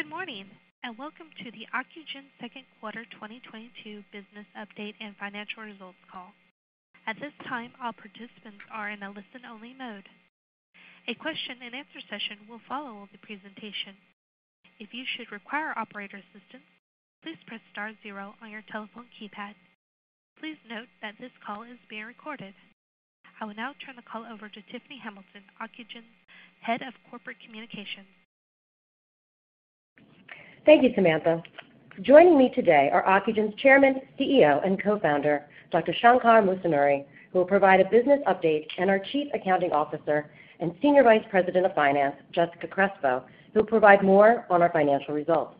Good morning, and welcome to the Ocugen second quarter 2022 business update and financial results call. At this time, all participants are in a listen-only mode. A question-and-answer session will follow the presentation. If you should require operator assistance, please press star zero on your telephone keypad. Please note that this call is being recorded. I will now turn the call over to Tiffany Hamilton, Ocugen's Head of Corporate Communications. Thank you, Samantha. Joining me today are Ocugen's Chairman, CEO, and Co-founder, Dr. Shankar Musunuri, who will provide a business update, and our Chief Accounting Officer and Senior Vice President of Finance, Jessica Crespo, who'll provide more on our financial results.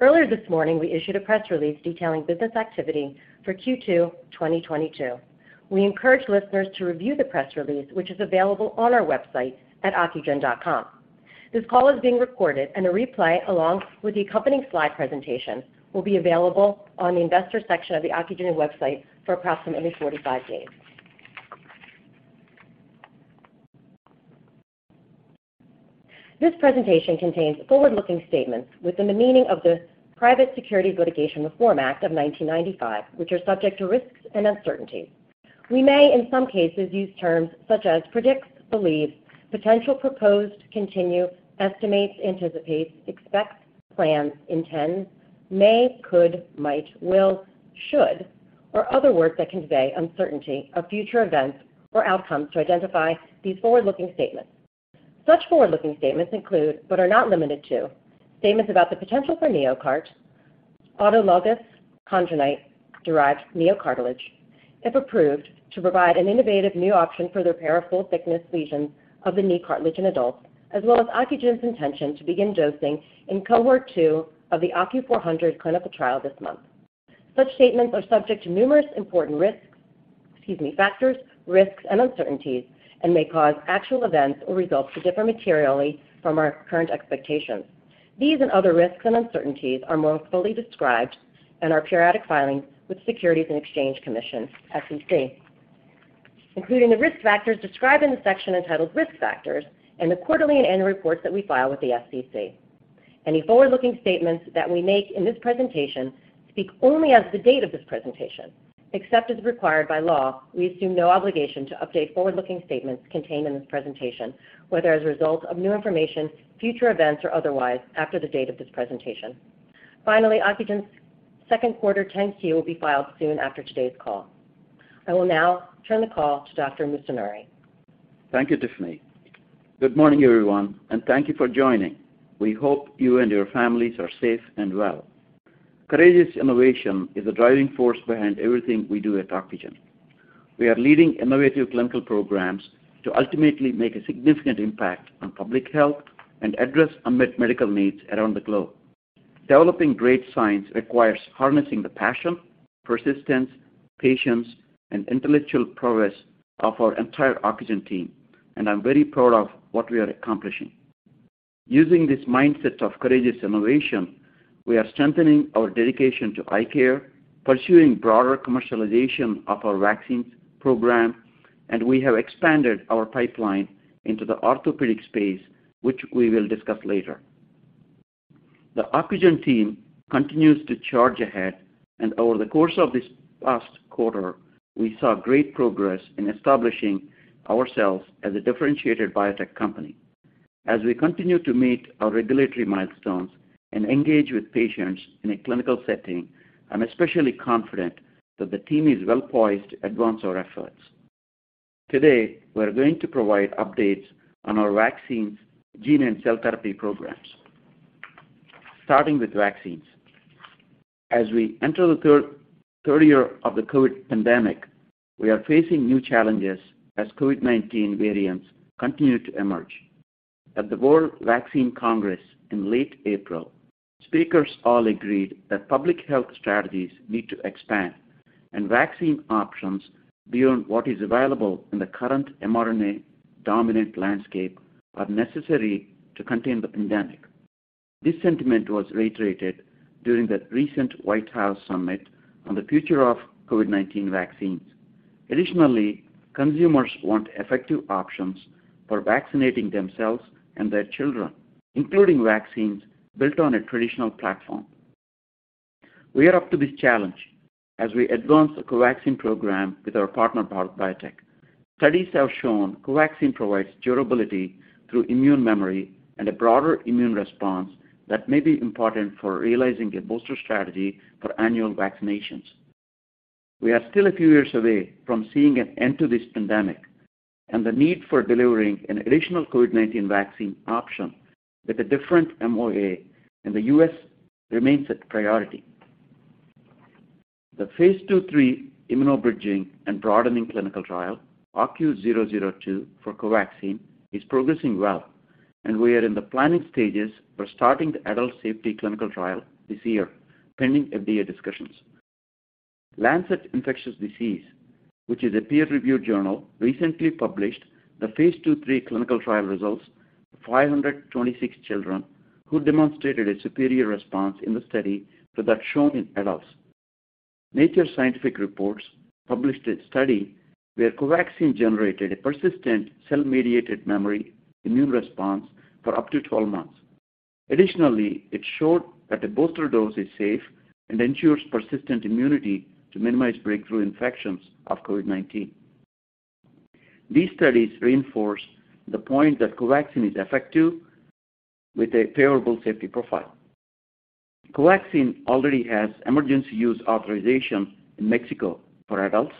Earlier this morning, we issued a press release detailing business activity for Q2 2022. We encourage listeners to review the press release, which is available on our website at ocugen.com. This call is being recorded, and a replay, along with the accompanying slide presentation, will be available on the investor section of the Ocugen website for approximately 45 days. This presentation contains forward-looking statements within the meaning of the Private Securities Litigation Reform Act of 1995, which are subject to risks and uncertainties. We may, in some cases, use terms such as predicts, believes, potential, proposed, continue, estimates, anticipates, expects, plans, intends, may, could, might, will, should, or other words that convey uncertainty of future events or outcomes to identify these forward-looking statements. Such forward-looking statements include, but are not limited to, statements about the potential for NeoCart, autologous chondrocyte-derived NeoCartilage, if approved, to provide an innovative new option for the repair of full thickness lesions of the knee cartilage in adults, as well as Ocugen's intention to begin dosing in Cohort Two of the OCU400 clinical trial this month. Such statements are subject to numerous important risks, excuse me, factors, risks, and uncertainties and may cause actual events or results to differ materially from our current expectations. These and other risks and uncertainties are more fully described in our periodic filings with the Securities and Exchange Commission, SEC, including the risk factors described in the section entitled Risk Factors in the quarterly and annual reports that we file with the SEC. Any forward-looking statements that we make in this presentation speak only as of the date of this presentation. Except as required by law, we assume no obligation to update forward-looking statements contained in this presentation, whether as a result of new information, future events, or otherwise after the date of this presentation. Finally, Ocugen's second quarter 10-Q will be filed soon after today's call. I will now turn the call to Dr. Musunuri. Thank you, Tiffany. Good morning, everyone, and thank you for joining. We hope you and your families are safe and well. Courageous innovation is the driving force behind everything we do at Ocugen. We are leading innovative clinical programs to ultimately make a significant impact on public health and address unmet medical needs around the globe. Developing great science requires harnessing the passion, persistence, patience, and intellectual prowess of our entire Ocugen team, and I'm very proud of what we are accomplishing. Using this mindset of courageous innovation, we are strengthening our dedication to eye care, pursuing broader commercialization of our vaccines program, and we have expanded our pipeline into the orthopedic space, which we will discuss later. The Ocugen team continues to charge ahead, and over the course of this past quarter, we saw great progress in establishing ourselves as a differentiated biotech company. As we continue to meet our regulatory milestones and engage with patients in a clinical setting, I'm especially confident that the team is well-poised to advance our efforts. Today, we're going to provide updates on our vaccines, gene and cell therapy programs. Starting with vaccines. As we enter the third year of the COVID pandemic, we are facing new challenges as COVID-19 variants continue to emerge. At the World Vaccine Congress in late April, speakers all agreed that public health strategies need to expand and vaccine options beyond what is available in the current mRNA-dominant landscape are necessary to contain the pandemic. This sentiment was reiterated during the recent White House summit on the future of COVID-19 vaccines. Additionally, consumers want effective options for vaccinating themselves and their children, including vaccines built on a traditional platform. We are up to this challenge as we advance the COVAXIN program with our partner, Bharat Biotech. Studies have shown COVAXIN provides durability through immune memory and a broader immune response that may be important for realizing a booster strategy for annual vaccinations. We are still a few years away from seeing an end to this pandemic, and the need for delivering an additional COVID-19 vaccine option with a different MOA in the U.S. remains a priority. The phase II/III immunobridging and broadening clinical trial, OCU-002 for COVAXIN, is progressing well, and we are in the planning stages for starting the adult safety clinical trial this year, pending FDA discussions. Lancet Infectious Diseases, which is a peer-reviewed journal, recently published the phase II/III clinical trial results for 526 children who demonstrated a superior response in the study to that shown in adults. Scientific Reports published a study where COVAXIN generated a persistent cell-mediated memory immune response for up to 12 months. Additionally, it showed that the booster dose is safe and ensures persistent immunity to minimize breakthrough infections of COVID-19. These studies reinforce the point that COVAXIN is effective with a favorable safety profile. COVAXIN already has emergency use authorization in Mexico for adults,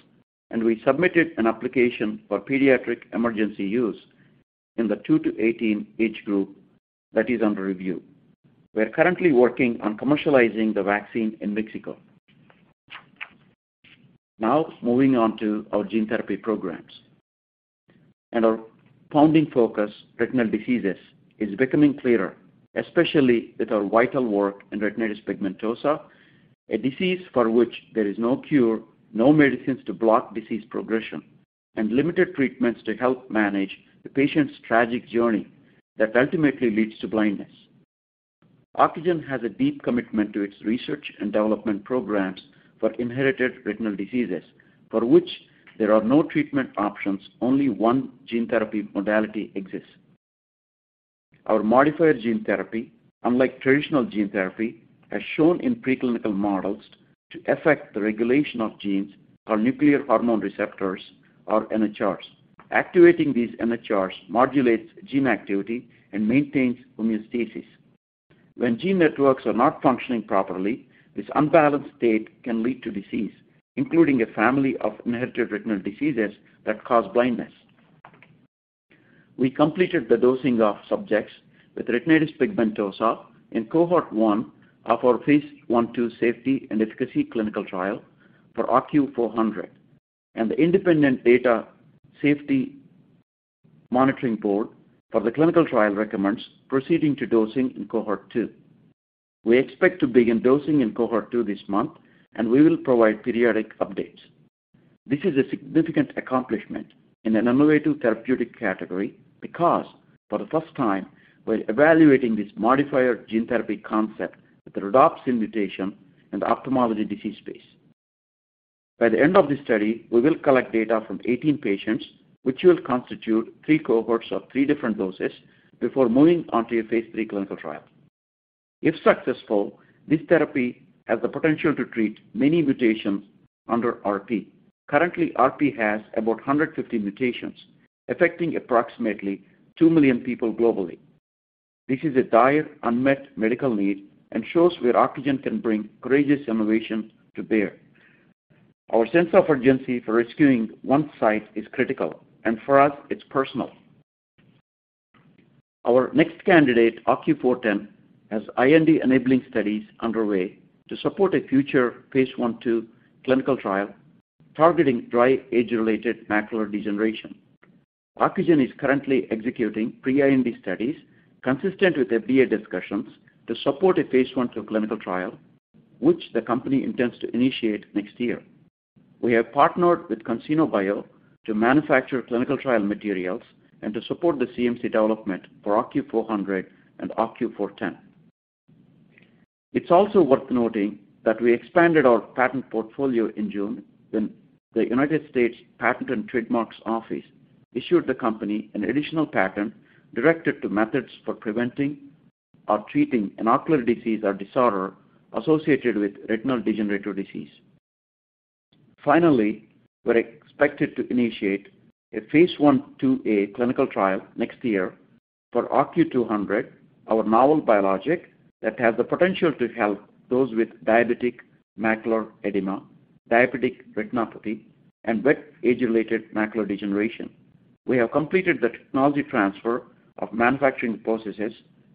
and we submitted an application for pediatric emergency use in the two to 18 age group that is under review. We are currently working on commercializing the vaccine in Mexico. Now moving on to our gene therapy programs and our founding focus, retinal diseases, is becoming clearer, especially with our vital work in retinitis pigmentosa, a disease for which there is no cure, no medicines to block disease progression, and limited treatments to help manage the patient's tragic journey that ultimately leads to blindness. Ocugen has a deep commitment to its research and development programs for inherited retinal diseases for which there are no treatment options, only one gene therapy modality exists. Our modifier gene therapy, unlike traditional gene therapy, has shown in preclinical models to affect the regulation of genes called nuclear hormone receptors or NHRs. Activating these NHRs modulates gene activity and maintains homeostasis. When gene networks are not functioning properly, this unbalanced state can lead to disease, including a family of inherited retinal diseases that cause blindness. We completed the dosing of subjects with retinitis pigmentosa in Cohort One of our phase I/II safety and efficacy clinical trial for OCU400 and the independent data safety monitoring board for the clinical trial recommends proceeding to dosing in Cohort Two. We expect to begin dosing in Cohort Two this month, and we will provide periodic updates. This is a significant accomplishment in an innovative therapeutic category because for the first time, we're evaluating this modifier gene therapy concept with the rhodopsin mutation in the ophthalmology disease space. By the end of this study, we will collect data from 18 patients which will constitute three cohorts of three different doses before moving on to a phase III clinical trial. If successful, this therapy has the potential to treat many mutations under RP. Currently, RP has about 150 mutations affecting approximately 2 million people globally. This is a dire unmet medical need and shows where Ocugen can bring courageous innovation to bear. Our sense of urgency for rescuing one site is critical, and for us it's personal. Our next candidate, OCU410, has IND-enabling studies underway to support a future phase I/II clinical trial targeting dry age-related macular degeneration. Ocugen is currently executing pre-IND studies consistent with FDA discussions to support a phase I/II clinical trial, which the company intends to initiate next year. We have partnered with Cognate BioServices to manufacture clinical trial materials and to support the CMC development for OCU400 and OCU410. It's also worth noting that we expanded our patent portfolio in June when the United States Patent and Trademark Office issued the company an additional patent directed to methods for preventing or treating an ocular disease or disorder associated with retinal degenerative disease. Finally, we're expected to initiate a phase I/II-A clinical trial next year for OCU200, our novel biologic that has the potential to help those with diabetic macular edema, diabetic retinopathy, and wet age-related macular degeneration. We have completed the technology transfer of manufacturing processes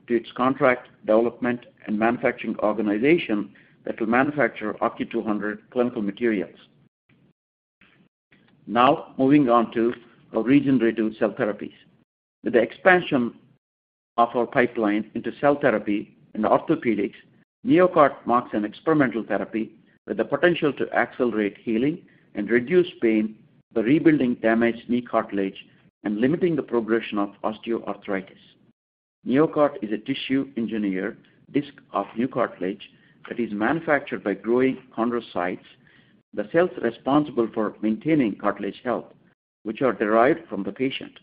to its contract development and manufacturing organization that will manufacture OCU200 clinical materials. Now moving on to our regenerative cell therapies. With the expansion of our pipeline into cell therapy and orthopedics, NeoCart marks an experimental therapy with the potential to accelerate healing and reduce pain by rebuilding damaged knee cartilage and limiting the progression of osteoarthritis. NeoCart is a tissue-engineered disc of new cartilage that is manufactured by growing chondrocytes, the cells responsible for maintaining cartilage health, which are derived from the patient.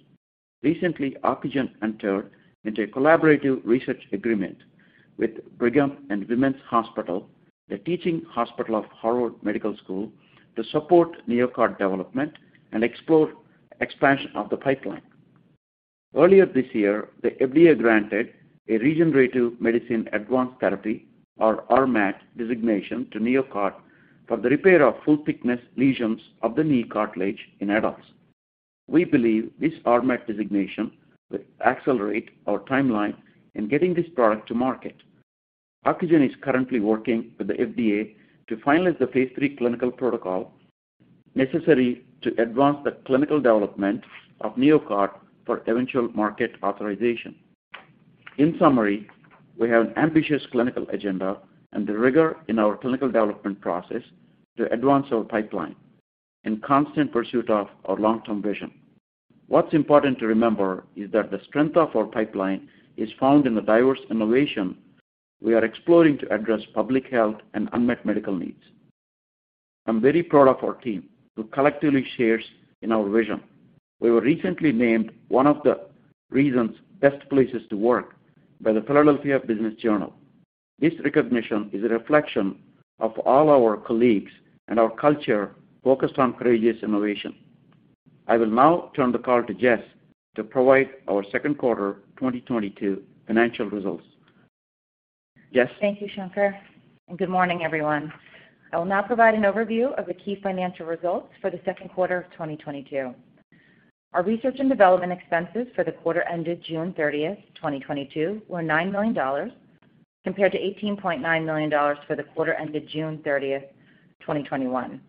Recently, Ocugen entered into a collaborative research agreement with Brigham and Women's Hospital, the teaching hospital of Harvard Medical School, to support NeoCart development and explore expansion of the pipeline. Earlier this year, the FDA granted a regenerative medicine advanced therapy or RMAT designation to NeoCart for the repair of full-thickness lesions of the knee cartilage in adults. We believe this RMAT designation will accelerate our timeline in getting this product to market. Ocugen is currently working with the FDA to finalize the phase III clinical protocol necessary to advance the clinical development of NeoCart for eventual market authorization. In summary, we have an ambitious clinical agenda and the rigor in our clinical development process to advance our pipeline in constant pursuit of our long-term vision. What's important to remember is that the strength of our pipeline is found in the diverse innovation we are exploring to address public health and unmet medical needs. I'm very proud of our team, who collectively shares in our vision. We were recently named one of the region's best places to work by the Philadelphia Business Journal. This recognition is a reflection of all our colleagues and our culture focused on courageous innovation. I will now turn the call to Jess to provide our second quarter 2022 financial results. Jess? Thank you, Shankar. Good morning, everyone. I will now provide an overview of the key financial results for the second quarter of 2022. Our research and development expenses for the quarter ended June 30th, 2022 were $9 million, compared to $18.9 million for the quarter ended June 30th, 2021.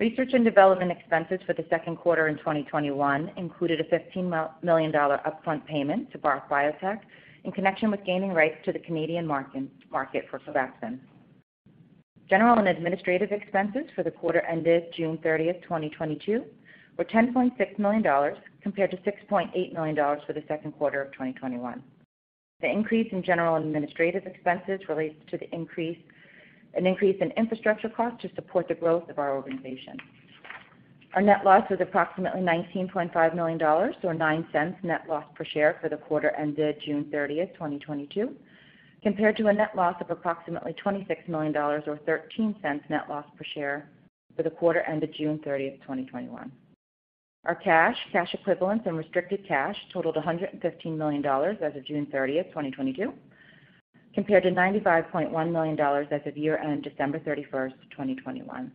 Research and development expenses for the second quarter in 2021 included a $15 million upfront payment to Bharat Biotech in connection with gaining rights to the Canadian market for COVAXIN. General and administrative expenses for the quarter ended June 30th, 2022 were $10.6 million compared to $6.8 million for the second quarter of 2021. The increase in general and administrative expenses relates to the increase in infrastructure costs to support the growth of our organization. Our net loss was approximately $19.5 million or $0.09 net loss per share for the quarter ended June 30, 2022, compared to a net loss of approximately $26 million or $0.13 net loss per share for the quarter ended June 30th, 2021. Our cash equivalents, and restricted cash totaled $115 million as of June 30th, 2022, compared to $95.1 million as of year-end December 31st, 2021.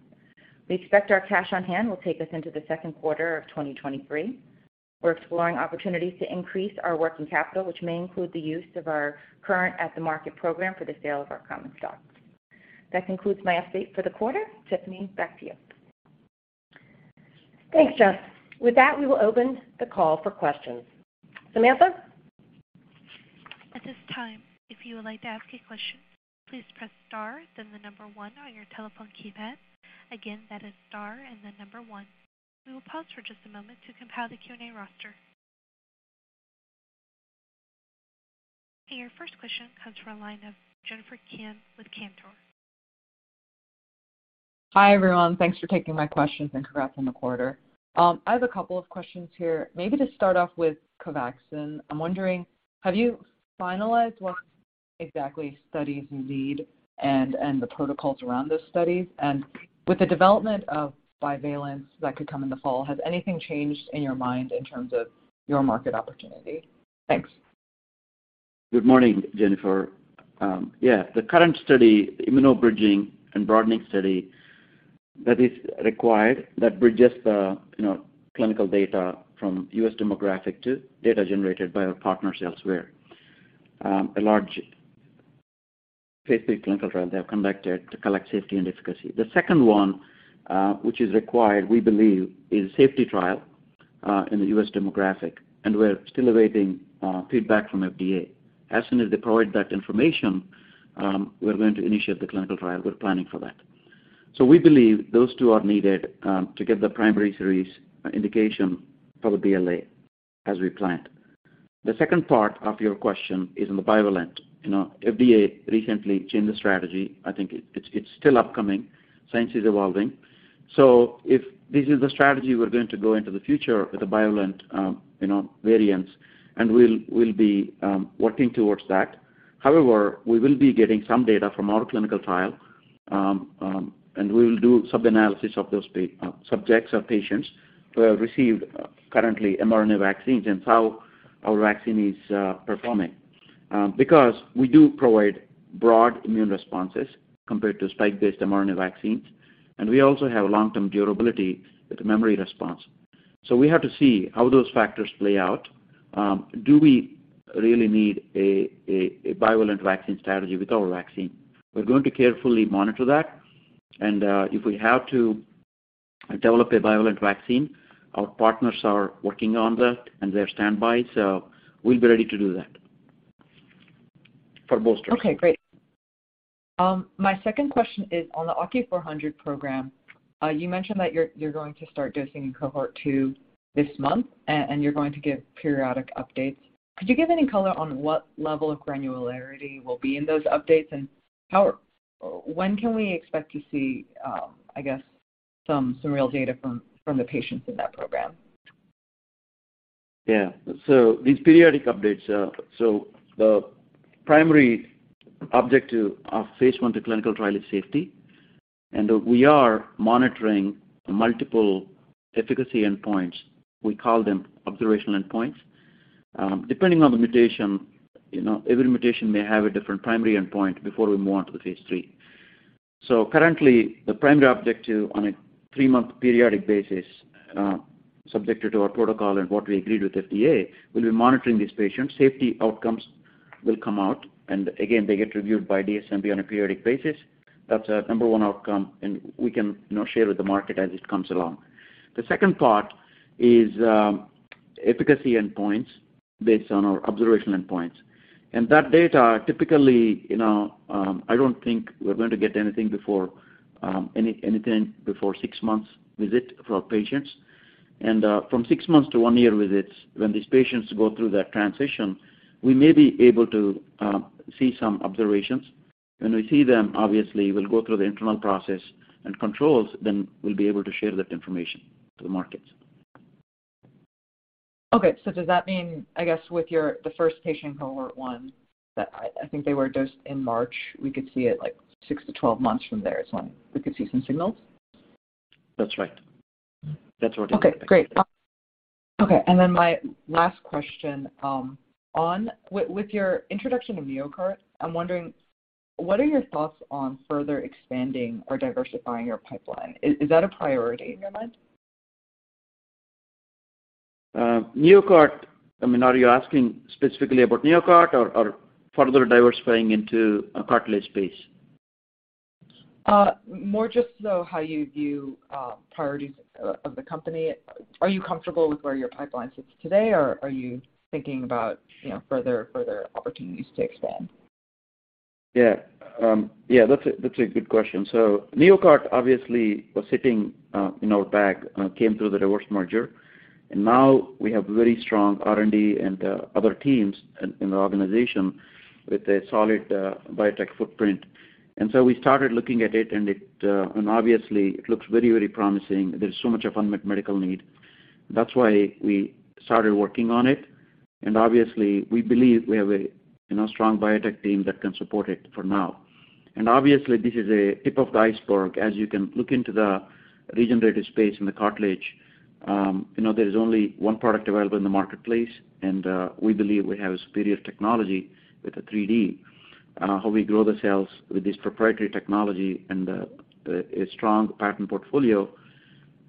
We expect our cash on hand will take us into the second quarter of 2023. We're exploring opportunities to increase our working capital, which may include the use of our current at-the-market program for the sale of our common stock. That concludes my update for the quarter. Tiffany, back to you. Thanks, Jess. With that, we will open the call for questions. Samantha? At this time, if you would like to ask a question, please press star then the number one on your telephone keypad. Again, that is star and then number one. We will pause for just a moment to compile the Q&A roster. Your first question comes from the line of Jennifer Kim with Cantor Fitzgerald. Hi, everyone. Thanks for taking my questions and congrats on the quarter. I have a couple of questions here. Maybe to start off with COVAXIN, I'm wondering, have you finalized what exactly studies you need and the protocols around those studies? With the development of bivalents that could come in the fall, has anything changed in your mind in terms of your market opportunity? Thanks. Good morning, Jennifer. The current study, immuno-bridging and broadening study that is required, that bridges the, you know, clinical data from U.S. demographic to data generated by our partners elsewhere, a large phase III clinical trial they have conducted to collect safety and efficacy. The second one, which is required, we believe, is safety trial in the U.S. demographic, and we're still awaiting feedback from FDA. As soon as they provide that information, we're going to initiate the clinical trial. We're planning for that. We believe those two are needed to get the primary series indication for the BLA as we planned. The second part of your question is on the bivalent. You know, FDA recently changed the strategy. I think it's still upcoming. Science is evolving. If this is the strategy, we're going to go into the future with the bivalent, you know, variants, and we'll be working towards that. However, we will be getting some data from our clinical trial, and we will do sub-analysis of those subjects or patients who have received currently mRNA vaccines and how our vaccine is performing. Because we do provide broad immune responses compared to spike-based mRNA vaccines, and we also have long-term durability with the memory response. We have to see how those factors play out. Do we really need a bivalent vaccine strategy with our vaccine? We're going to carefully monitor that. If we have to develop a bivalent vaccine, our partners are working on that and they're on standby. We'll be ready to do that for boosters. Okay, great. My second question is on the OCU400 program. You mentioned that you're going to start dosing in Cohort Two this month, and you're going to give periodic updates. Could you give any color on what level of granularity will be in those updates? When can we expect to see, I guess some real data from the patients in that program? These periodic updates. The primary objective of phase I clinical trial is safety. We are monitoring multiple efficacy endpoints. We call them observational endpoints. Depending on the mutation, you know, every mutation may have a different primary endpoint before we move on to the phase III. Currently, the primary objective on a 3-month periodic basis, subjected to our protocol and what we agreed with FDA, we'll be monitoring these patients. Safety outcomes will come out, and again, they get reviewed by DSMB on a periodic basis. That's our number one outcome, and we can, you know, share with the market as it comes along. The second part is efficacy endpoints based on our observational endpoints. That data typically, you know, I don't think we're going to get anything before 6 months visit for our patients. From 6 months to 1 year visits, when these patients go through that transition, we may be able to see some observations. When we see them, obviously, we'll go through the internal process and controls, then we'll be able to share that information to the markets. Okay. Does that mean, I guess, the first patient Cohort One that I think they were dosed in March, we could see it like 6-12 months from there is when we could see some signals? That's right. That's what it is. Okay, great. Okay. My last question, with your introduction of NeoCart, I'm wondering what are your thoughts on further expanding or diversifying your pipeline? Is that a priority in your mind? NeoCart. I mean, are you asking specifically about NeoCart or further diversifying into a cartilage space? More just how you view priorities of the company. Are you comfortable with where your pipeline sits today, or are you thinking about, you know, further opportunities to expand? Yeah, that's a good question. NeoCart obviously was sitting in our bag, came through the reverse merger. Now we have very strong R&D and other teams in the organization with a solid biotech footprint. We started looking at it, and obviously it looks very, very promising. There's so much unmet medical need. That's why we started working on it. Obviously, we believe we have a, you know, strong biotech team that can support it for now. Obviously, this is a tip of the iceberg. As you can look into the regenerative space in the cartilage, you know, there is only one product available in the marketplace, and we believe we have a superior technology with the 3D, how we grow the cells with this proprietary technology and a strong patent portfolio.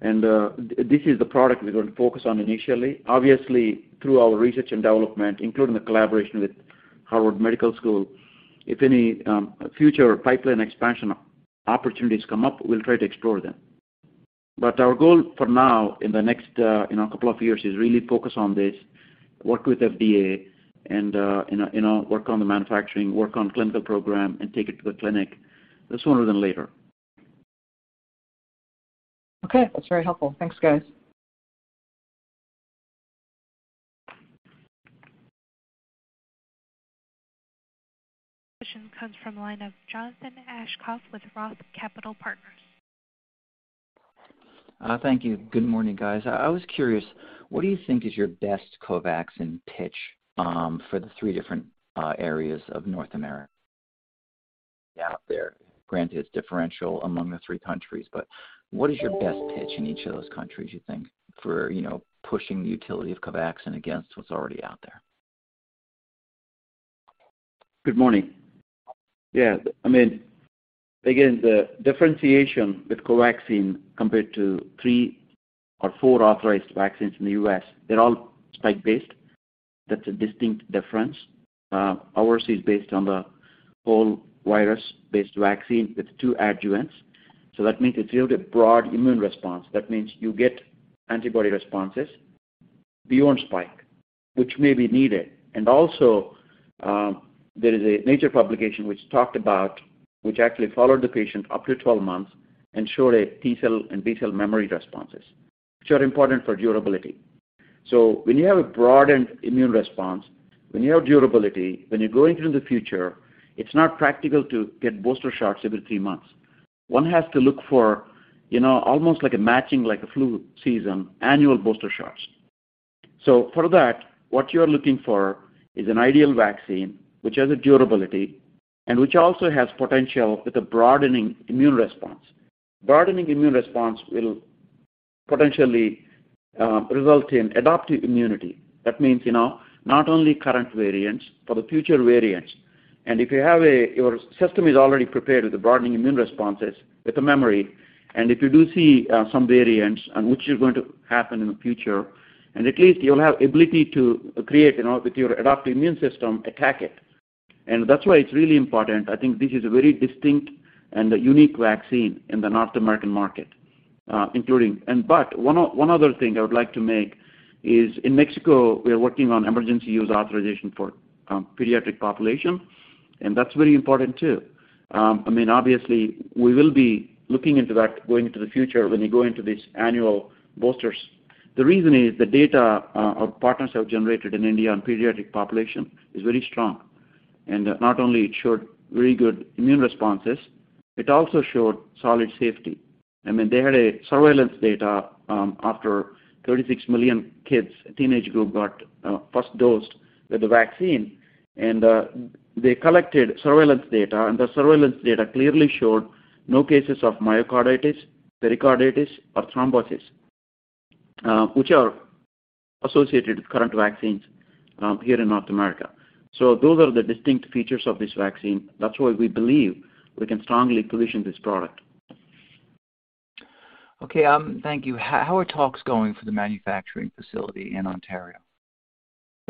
This is the product we're going to focus on initially. Obviously, through our research and development, including the collaboration with Harvard Medical School, if any future pipeline expansion opportunities come up, we'll try to explore them. Our goal for now in the next, you know, couple of years is really focus on this, work with FDA and you know, work on the manufacturing, work on clinical program and take it to the clinic sooner than later. Okay. That's very helpful. Thanks, guys. Question comes from the line of Jonathan Ashcroft with Roth Capital Partners. Thank you. Good morning, guys. I was curious, what do you think is your best COVAXIN pitch for the three different areas of North America out there? Granted, it's differential among the three countries, but what is your best pitch in each of those countries, you think, for pushing the utility of COVAXIN against what's already out there? Good morning. Yeah. I mean, again, the differentiation with COVAXIN compared to three or four authorized vaccines in the US, they're all spike-based. That's a distinct difference. Ours is based on the whole virus-based vaccine with two adjuvants. That means it yields a broad immune response. That means you get antibody responses beyond spike, which may be needed. Also, there is a major publication which actually followed the patient up to 12 months and showed a T-cell and B-cell memory responses, which are important for durability. When you have a broadened immune response, when you have durability, when you're going through the future, it's not practical to get booster shots every 3 months. One has to look for, you know, almost like a matching, like a flu season, annual booster shots. For that, what you're looking for is an ideal vaccine which has a durability and which also has potential with a broadening immune response. Broadening immune response will potentially result in adaptive immunity. That means, you know, not only current variants, for the future variants. If you have, your system is already prepared with the broadening immune responses with the memory, and if you do see some variants and which is going to happen in the future, and at least you'll have ability to create, you know, with your adaptive immune system, attack it. That's why it's really important. I think this is a very distinct and unique vaccine in the North American market, including. One other thing I would like to make is in Mexico, we are working on emergency use authorization for pediatric population, and that's very important too. I mean, obviously we will be looking into that going into the future when we go into these annual boosters. The reason is the data our partners have generated in India on pediatric population is very strong. Not only it showed very good immune responses, it also showed solid safety. I mean, they had a surveillance data after 36 million kids teenage group got first dosed with the vaccine. They collected surveillance data, and the surveillance data clearly showed no cases of myocarditis, pericarditis, or thrombosis which are associated with current vaccines here in North America. Those are the distinct features of this vaccine. That's why we believe we can strongly position this product. Okay, thank you. How are talks going for the manufacturing facility in Ontario?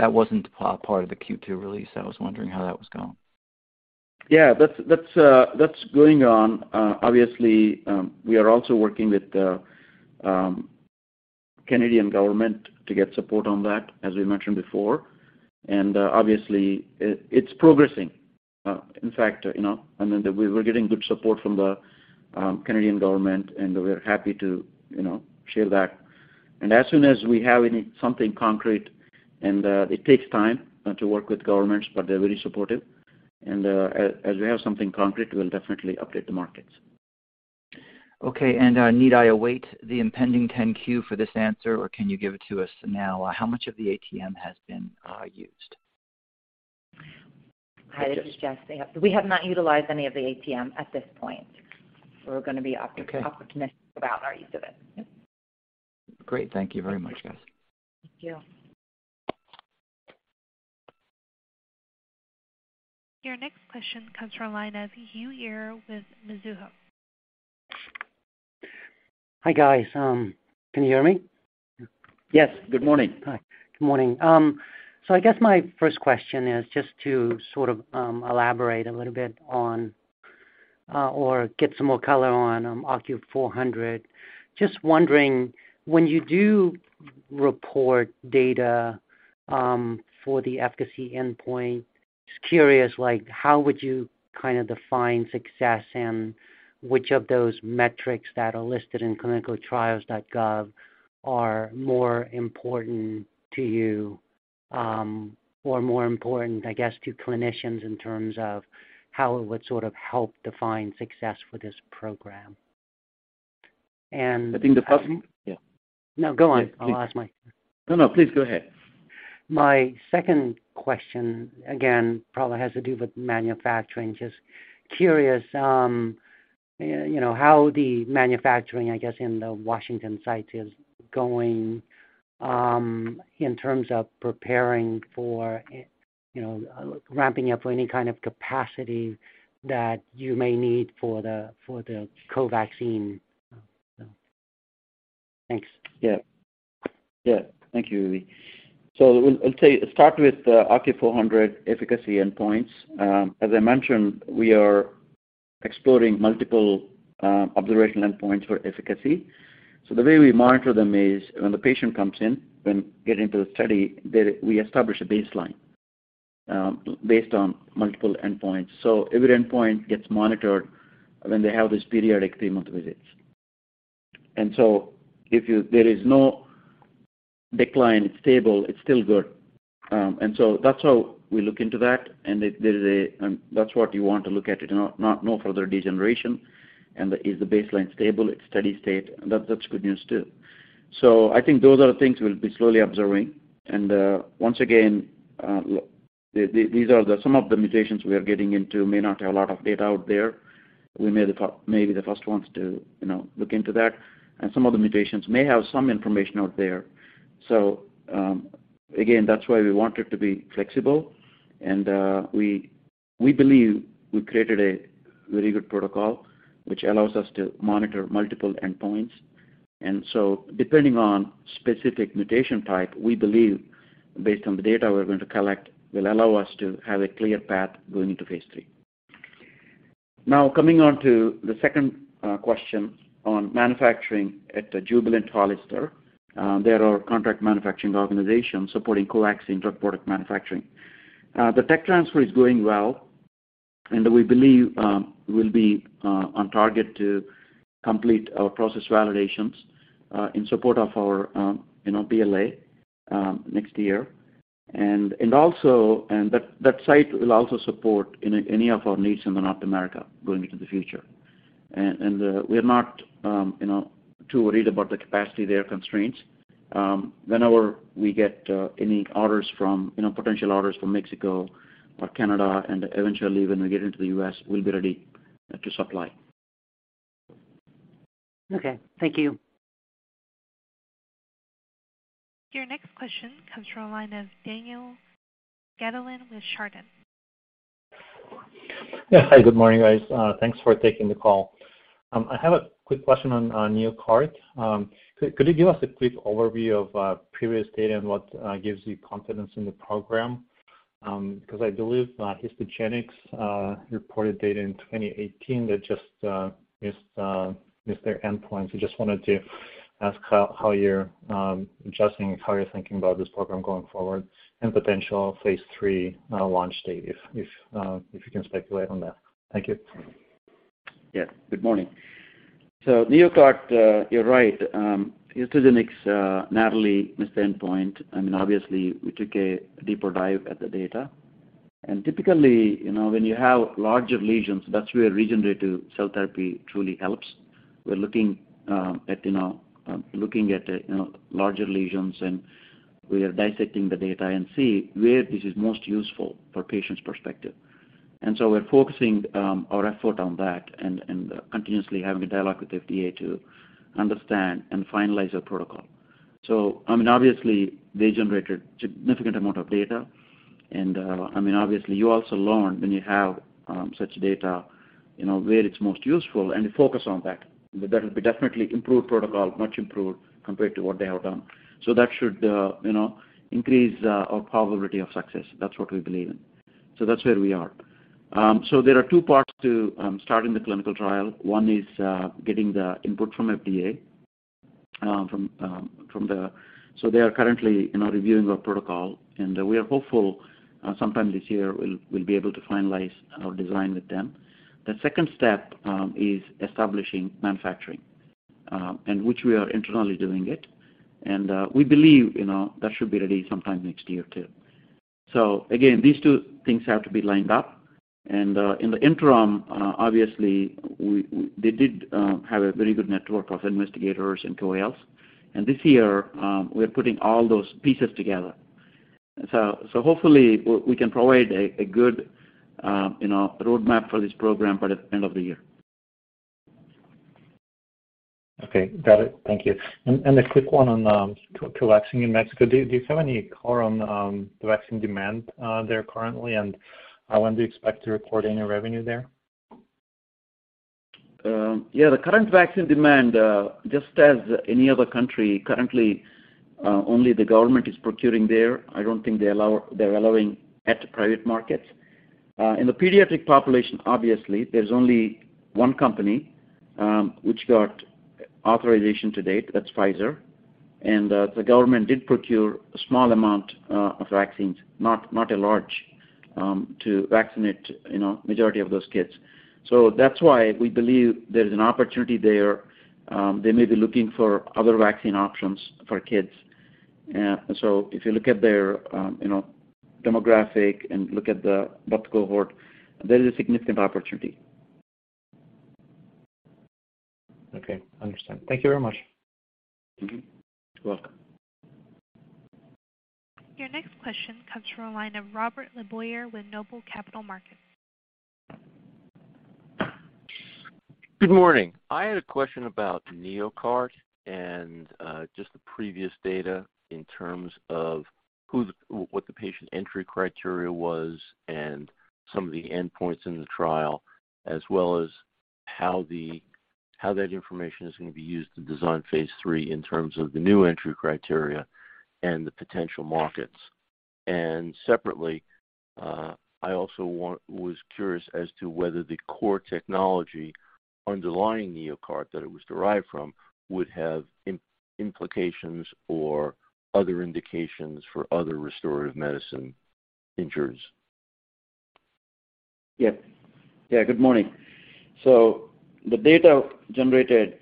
That wasn't part of the Q2 release. I was wondering how that was going? Yeah, that's going on. Obviously, we are also working with the Canadian government to get support on that, as we mentioned before. Obviously, it's progressing. In fact, you know, I mean, we're getting good support from the Canadian government, and we're happy to, you know, share that. As soon as we have something concrete and it takes time to work with governments, but they're very supportive. As we have something concrete, we'll definitely update the markets. Okay. Need I await the impending 10-Q for this answer, or can you give it to us now? How much of the ATM has been used? Hi, this is Jess. We have not utilized any of the ATM at this point. We're gonna be opportunistic. Okay. about our use of it. Great. Thank you very much, guys. Thank you. Your next question comes from line of Uy Ear with Mizuho. Hi, guys. Can you hear me? Yes. Good morning. Hi. Good morning. I guess my first question is just to sort of elaborate a little bit on or get some more color on OCU400. Just wondering, when you do report data for the efficacy endpoint, just curious, like, how would you kind of define success, and which of those metrics that are listed in ClinicalTrials.gov are more important to you or more important, I guess, to clinicians in terms of how it would sort of help define success for this program? I think the first one. Yeah. No, go on. Yeah, please. I'll ask my... No, no, please go ahead. My second question, again, probably has to do with manufacturing. Just curious, you know, how the manufacturing, I guess, in the Washington site is going, in terms of preparing for, you know, ramping up any kind of capacity that you may need for the COVAXIN. Thanks. Yeah. Thank you, Uy Ear. I'll tell you, start with the OCU400 efficacy endpoints. As I mentioned, we are exploring multiple observation endpoints for efficacy. The way we monitor them is when the patient comes in, when getting into the study, we establish a baseline based on multiple endpoints. Every endpoint gets monitored when they have these periodic 3-month visits. If there is no decline, it's stable, it's still good. That's how we look into that. That's what you want to look at, you know, not no further degeneration. Is the baseline stable? It's steady state. That's good news, too. I think those are things we'll be slowly observing. Once again, these are some of the mutations we are getting into may not have a lot of data out there. We may be the first ones to, you know, look into that, and some of the mutations may have some information out there. Again, that's why we wanted to be flexible and we believe we created a very good protocol which allows us to monitor multiple endpoints. Depending on specific mutation type, we believe based on the data we're going to collect, will allow us to have a clear path going into phase III. Now, coming on to the second question on manufacturing at the Jubilant HollisterStier. They're our contract manufacturing organization supporting COVAXIN drug product manufacturing. The tech transfer is going well, and we believe we'll be on target to complete our process validations in support of our, you know, BLA next year. That site will also support any of our needs in North America going into the future. We're not, you know, too worried about the capacity constraints there. Whenever we get any orders from, you know, potential orders from Mexico or Canada, and eventually when we get into the U.S.we'll be ready to supply. Okay. Thank you. Your next question comes from a line of Daniil Gataulin with Chardan. Yeah. Hi. Good morning, guys. Thanks for taking the call. I have a quick question on NeoCart. Could you give us a quick overview of previous data and what gives you confidence in the program? Because I believe Histogenics reported data in 2018 that just missed their endpoint. Just wanted to ask how you're adjusting, how you're thinking about this program going forward and potential phase III launch date, if you can speculate on that. Thank you. Yeah. Good morning. NeoCart, you're right. Histogenics narrowly missed the endpoint. I mean, obviously we took a deeper dive at the data. Typically, you know, when you have larger lesions, that's where regenerative cell therapy truly helps. We're looking at larger lesions, and we are dissecting the data and see where this is most useful for patients' perspective. We're focusing our effort on that and continuously having a dialogue with FDA to understand and finalize the protocol. I mean, obviously they generated significant amount of data. I mean, obviously you also learn when you have such data, you know, where it's most useful and you focus on that. That'll be definitely improved protocol, much improved compared to what they have done. That should, you know, increase our probability of success. That's what we believe in. That's where we are. There are two parts to starting the clinical trial. One is getting the input from FDA. They are currently, you know, reviewing our protocol, and we are hopeful sometime this year, we'll be able to finalize our design with them. The second step is establishing manufacturing, and which we are internally doing it. We believe, you know, that should be ready sometime next year too. Again, these two things have to be lined up. In the interim, obviously they did have a very good network of investigators and KOLs. This year, we're putting all those pieces together. Hopefully we can provide a good, you know, roadmap for this program by the end of the year. Okay. Got it. Thank you. A quick one on COVAXIN in Mexico. Do you have any call on the vaccine demand there currently? When do you expect to record any revenue there? Yeah, the current vaccine demand, just as any other country, currently, only the government is procuring there. I don't think they're allowing at private markets. In the pediatric population, obviously, there's only one company which got authorization to date, that's Pfizer. The government did procure a small amount of vaccines, not a large to vaccinate, you know, majority of those kids. That's why we believe there's an opportunity there. They may be looking for other vaccine options for kids. If you look at their, you know, demographic and look at the birth cohort, there is a significant opportunity. Okay. Understood. Thank you very much. Mm-hmm. You're welcome. Your next question comes from a line of Robert LeBoyer with Noble Capital Markets. Good morning. I had a question about NeoCart and just the previous data in terms of what the patient entry criteria was and some of the endpoints in the trial, as well as how that information is gonna be used to design phase three in terms of the new entry criteria and the potential markets. Separately, I was curious as to whether the core technology underlying NeoCart that it was derived from would have implications or other indications for other restorative medicine injuries. Yeah. Good morning. The data generated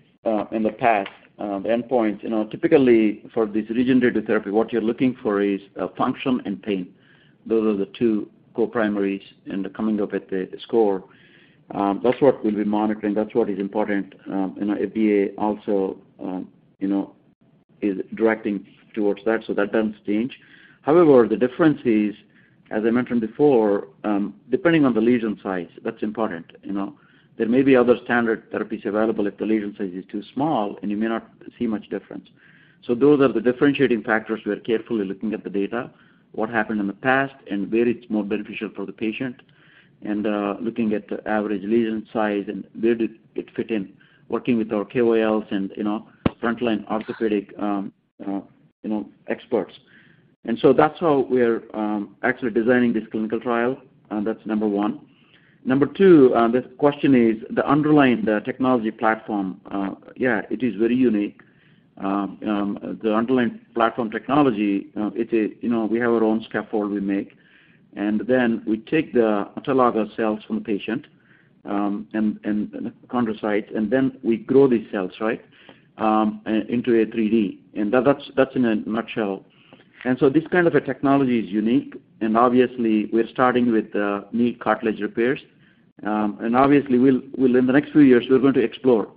in the past, the endpoint, you know, typically for this regenerative therapy, what you're looking for is, function and pain. Those are the two co-primaries, and they're coming up with the score. That's what we'll be monitoring. That's what is important. FDA also, you know, is directing towards that, so that doesn't change. However, the difference is, as I mentioned before, depending on the lesion size, that's important. You know? There may be other standard therapies available if the lesion size is too small, and you may not see much difference. Those are the differentiating factors. We are carefully looking at the data, what happened in the past, and where it's more beneficial for the patient, and looking at the average lesion size and where did it fit in working with our KOLs and, you know, frontline orthopedic, you know, experts. That's how we're actually designing this clinical trial, and that's number one. Number two, the question is the underlying technology platform, yeah, it is very unique. The underlying platform technology, it's a, you know, we have our own scaffold we make, and then we take the autologous cells from the patient, and chondrocytes, and then we grow these cells, right, into a 3D. That's in a nutshell. This kind of a technology is unique. Obviously, we're starting with the knee cartilage repairs. Obviously we'll in the next few years, we're going to explore,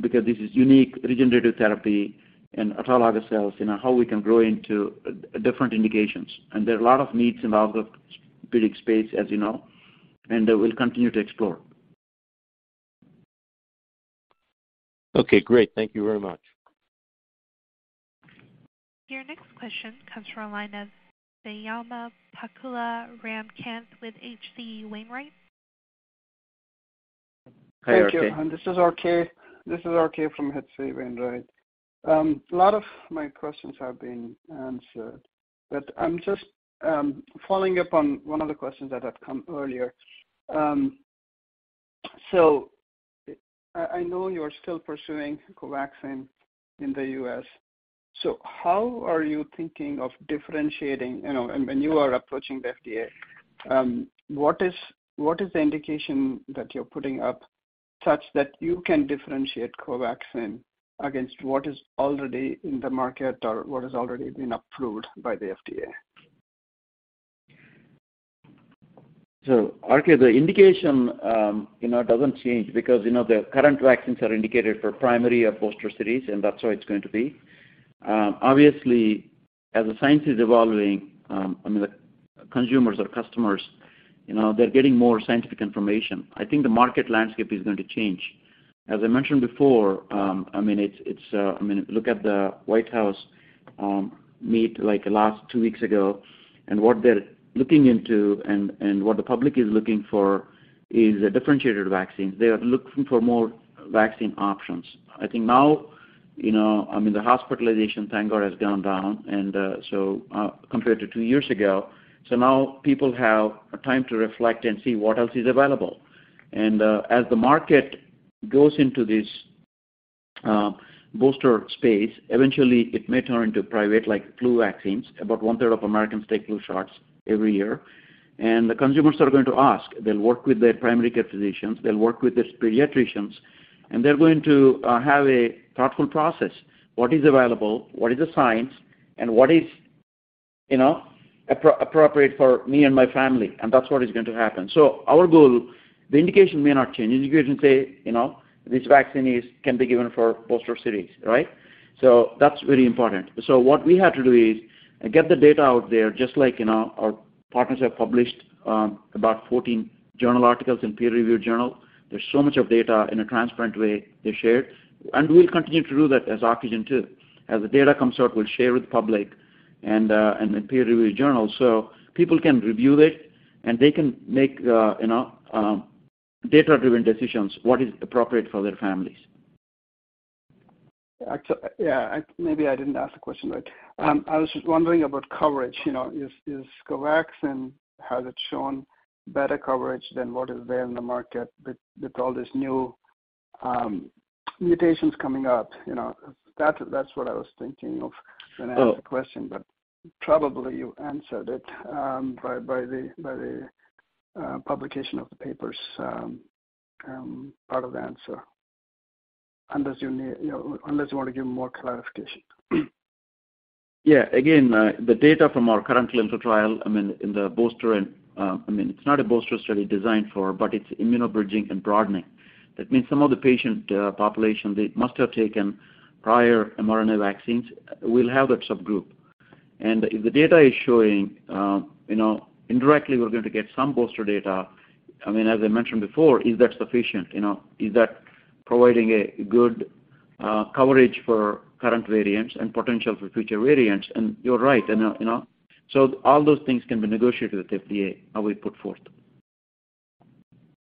because this is unique regenerative therapy and autologous cells, you know, how we can grow into different indications. There are a lot of needs in orthopedic space, as you know, and we'll continue to explore. Okay, great. Thank you very much. Your next question comes from a line of Swayampakula Ramakanth with H.C. Wainwright. Hi, RK. Thank you. This is RK from H.C. Wainwright. A lot of my questions have been answered, but I'm just following up on one of the questions that had come earlier. I know you're still pursuing COVAXIN in the U.S. How are you thinking of differentiating, you know, and when you are approaching the FDA, what is the indication that you're putting up such that you can differentiate COVAXIN against what is already in the market or what has already been approved by the FDA? RK, the indication, you know, doesn't change because, you know, the current vaccines are indicated for primary or booster series, and that's how it's going to be. Obviously, as the science is evolving, I mean, the consumers or customers, you know, they're getting more scientific information. I think the market landscape is going to change. As I mentioned before, I mean, it's, I mean, look at the White House meeting like last two weeks ago, and what they're looking into and what the public is looking for is a differentiated vaccines. They are looking for more vaccine options. I think now, you know, I mean, the hospitalization, thank God, has gone down and compared to 2 years ago. Now people have time to reflect and see what else is available. As the market goes into this booster space, eventually it may turn into private like flu vaccines. About 1/3 of Americans take flu shots every year. The consumers are going to ask. They'll work with their primary care physicians, they'll work with their pediatricians, and they're going to have a thoughtful process. What is available, what is the science, and what is, you know, appropriate for me and my family? That's what is going to happen. Our goal, the indication may not change. Indication says, you know, this vaccine can be given for booster series, right? That's very important. What we have to do is get the data out there, just like, you know, our partners have published about 14 journal articles in peer-reviewed journals. There's so much of data in a transparent way they shared. We'll continue to do that as Ocugen too. As the data comes out, we'll share with public and in the peer review journal, so people can review it and they can make, you know, data-driven decisions, what is appropriate for their families. Yeah, maybe I didn't ask the question right. I was just wondering about coverage. You know, is COVAXIN, has it shown better coverage than what is there in the market with all these new mutations coming up? You know, that's what I was thinking of when I asked the question. Oh. Probably you answered it by the publication of the papers, part of the answer. Unless you know, unless you want to give more clarification. Yeah. Again, the data from our current clinical trial, I mean, it's not a booster study designed for, but it's immuno-bridging and broadening. That means some of the patient population, they must have taken prior mRNA vaccines, we'll have that subgroup. If the data is showing, you know, indirectly we're going to get some booster data. I mean, as I mentioned before, is that sufficient? You know, is that providing a good coverage for current variants and potential for future variants? You're right, you know, so all those things can be negotiated with FDA, how we put forth.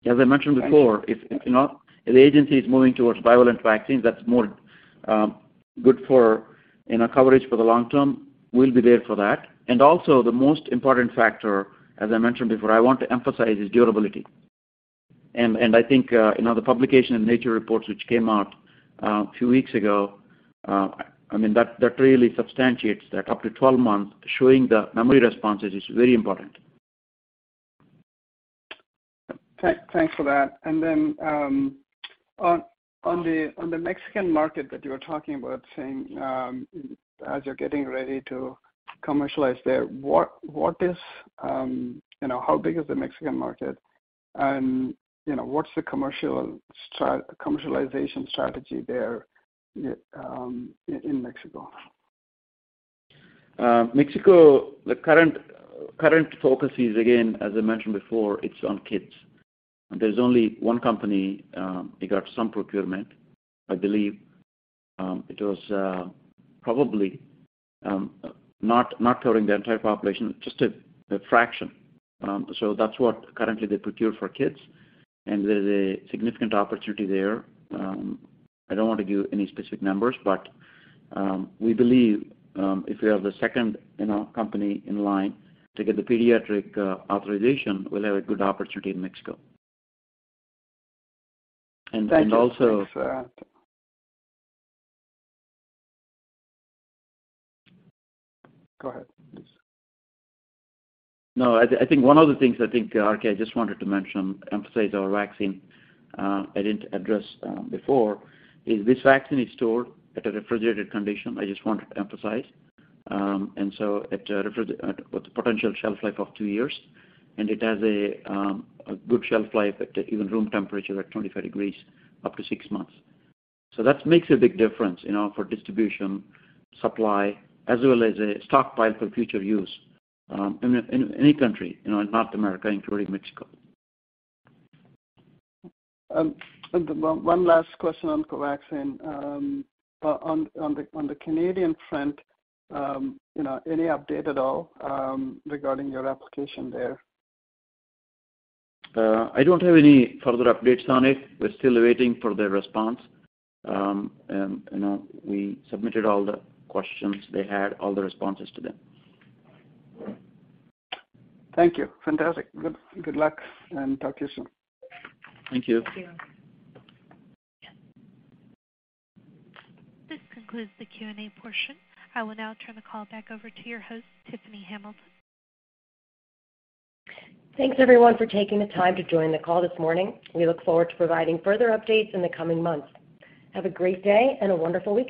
As I mentioned before. Thanks. If, you know, if the agency is moving towards bivalent vaccines, that's more good for, you know, coverage for the long term. We'll be there for that. Also, the most important factor, as I mentioned before, I want to emphasize, is durability. I think, you know, the publication in Scientific Reports, which came out a few weeks ago, I mean, that really substantiates that up to 12 months showing the memory responses is very important. Thanks for that. On the Mexican market that you were talking about, saying, as you're getting ready to commercialize there, what is, you know, how big is the Mexican market? You know, what's the commercialization strategy there, in Mexico? Mexico, the current focus is, again, as I mentioned before, it's on kids. There's only one company, they got some procurement. I believe it was probably not covering the entire population, just a fraction. That's what currently they procure for kids, and there's a significant opportunity there. I don't want to give any specific numbers, but we believe if we are the second, you know, company in line to get the pediatric authorization, we'll have a good opportunity in Mexico. Thank you. Go ahead, please. No, I think one of the things, RK, I just wanted to mention, emphasize our vaccine I didn't address before, is this vaccine stored at a refrigerated condition with potential shelf life of two years. I just wanted to emphasize. It has a good shelf life at even room temperature at 25 degrees, up to six months. That makes a big difference, you know, for distribution, supply, as well as a stockpile for future use, in any country, you know, in North America, including Mexico. One last question on COVAXIN. On the Canadian front, you know, any update at all regarding your application there? I don't have any further updates on it. We're still waiting for their response. You know, we submitted all the questions they had, all the responses to them. Thank you. Fantastic. Good, good luck, and talk to you soon. Thank you. Thank you. This concludes the Q&A portion. I will now turn the call back over to your host, Tiffany Hamilton. Thanks everyone for taking the time to join the call this morning. We look forward to providing further updates in the coming months. Have a great day and a wonderful weekend.